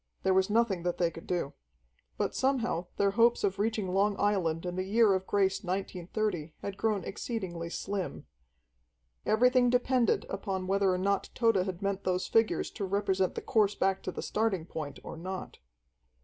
There was nothing that they could do. But somehow their hopes of reaching Long Island in the year of grace 1930 had grown exceedingly slim. Everything depended upon whether or not Tode had meant those figures to represent the course back to the starting point or not.